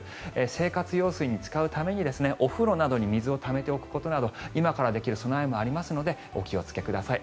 生活用水に使うためにお風呂などに水をためておくことなど今からできる備えもありますのでお気をつけください。